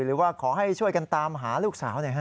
หรือว่าขอให้ช่วยกันตามหาลูกสาวหน่อยฮะ